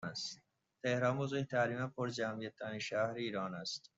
تهران بزرگترین و پرجمعیت ترین شهر ایران است